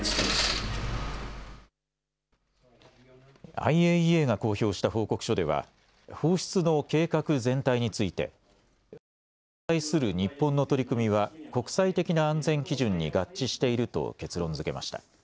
ＩＡＥＡが公表した報告書では放出の計画全体について放出に対する日本の取り組みは国際的な安全基準に合致していると結論づけました。